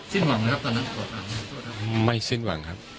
สิ้นหวังหรือครับตอนนั้นตอนนั้นตอนนั้นไม่สิ้นหวังครับ